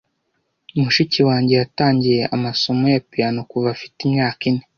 Mushiki wanjye yatangiye amasomo ya piyano kuva afite imyaka ine.